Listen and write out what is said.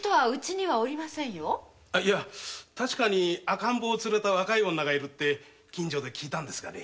赤ん坊を連れた若い女がいると近所で聞いたんですがね。